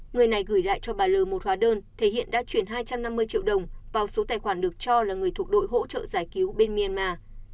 người này gửi lại cho bà l một hóa đơn thể hiện đã chuyển hai trăm năm mươi triệu đồng vào số tài khoản được cho là người thuộc đội hỗ trợ giải cứu bên myanmar